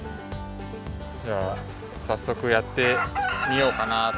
じゃあさっそくやってみようかなと。